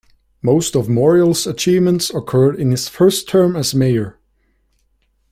Most of Morial's achievements occurred in his first term as mayor.